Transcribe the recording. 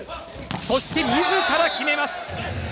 そして、自ら決めます！